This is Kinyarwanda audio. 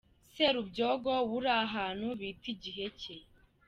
Serubyogo we uri ahantu bita i Giheke.